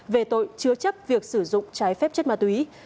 về tội chứa chấp việc sử dụng trái phép chất ma túy